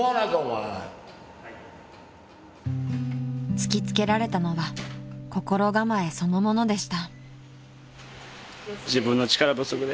［突き付けられたのは心構えそのものでした］